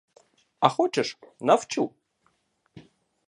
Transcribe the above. А хочеш — навчу?